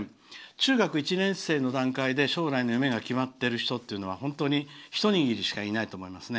中学１年生の段階で将来の夢が決まっている人っていうのは本当に一握りしかいないと思いますね。